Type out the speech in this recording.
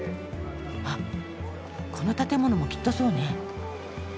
あっこの建物もきっとそうね。